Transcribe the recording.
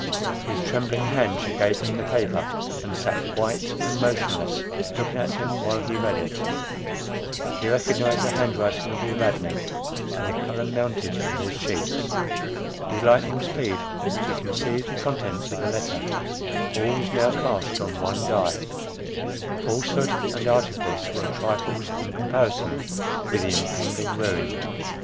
With trembling hand she gave him the paper, and sat white and motionless looking at him while he read it. He recognised the hand writing of Evadne, and the colour mounted in his cheeks. With lightning speed he conceived the contents of the letter; all was now cast on one die; falsehood and artifice were trifles in comparison with the impending ruin.